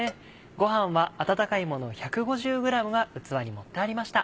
ご飯は温かいもの１５０ｇが器に盛ってありました。